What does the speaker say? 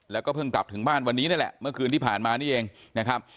แล้วก็เพิ่งกลับถึงบ้านวันนี้นี่แหละเมื่อคืนที่ผ่านมานี่เองนะครับ